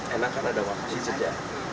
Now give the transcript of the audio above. enak karena ada waktunya